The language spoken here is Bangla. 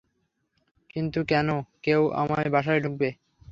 কিন্তু কেন কেউ তোমার বাসায় ঢুকবে?